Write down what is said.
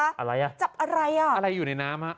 อะไรอ่ะจับอะไรอ่ะอะไรอยู่ในน้ำฮะ